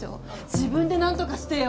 自分でなんとかしてよ。